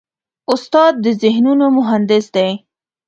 استاد د ذهنونو مهندس دی.